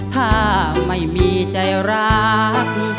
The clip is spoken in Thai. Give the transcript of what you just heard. ถ้าไม่มีใจรัก